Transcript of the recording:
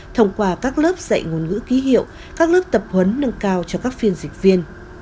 thông qua các lớp dạy ngôn ngữ ký hiệu các lớp tập huấn nâng cao cho các phiên dịch viên